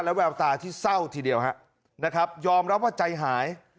แววตาที่เศร้าทีเดียวนะครับยอมรับว่าใจหาย